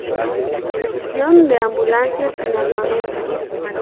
Versión de Ambulancia, sin armamento.